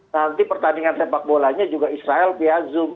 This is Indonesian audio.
nanti pertandingan sepak bolanya juga israel via zoom